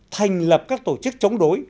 thành lập các tổ chức chống đối